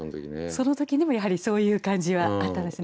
その時にもやはりそういう感じはあったんですね。